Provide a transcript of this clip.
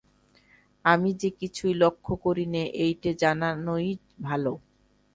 আমি যে কিছুই লক্ষ করি নে এইটে জানানোই ভালো।